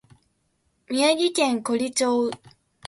宮城県亘理町